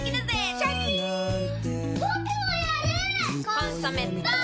「コンソメ」ポン！